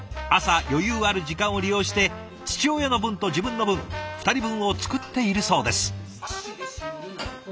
朝余裕ある時間を利用して父親の分と自分の分２人分を作っているそうです。